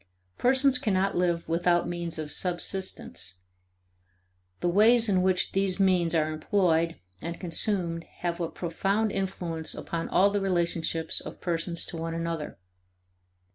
Persons cannot live without means of subsistence; the ways in which these means are employed and consumed have a profound influence upon all the relationships of persons to one another.